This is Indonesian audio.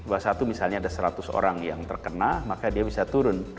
kalau di bawah satu misalnya ada seratus orang yang terkena maka dia bisa turun